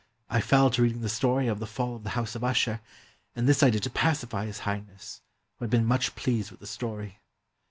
— I fell to reading the story of ' The 399 PERSIA Fall of the House of Usher,' and this I did to pacify His Highness, who had been much pleased with the story.